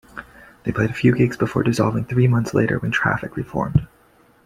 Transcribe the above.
They played a few gigs before dissolving three months later when Traffic reformed.